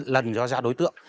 lần do ra đối tượng